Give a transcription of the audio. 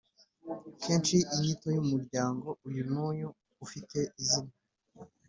kenshi inyito yumuryango uyu n’uyu ufite izina